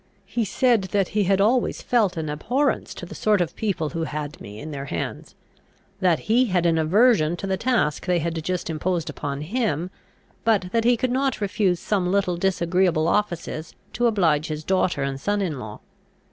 He said that he had always felt an abhorrence to the sort of people who had me in their hands; that he had an aversion to the task they had just imposed upon him, but that he could not refuse some little disagreeable offices to oblige his daughter and son in law.